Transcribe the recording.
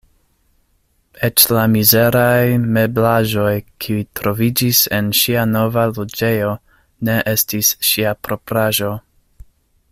Eĉ la mizeraj meblaĵoj, kiuj troviĝis en ŝia nova loĝejo, ne estis ŝia propraĵo.